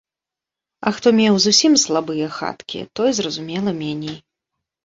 А хто меў зусім слабыя хаткі, той, зразумела, меней.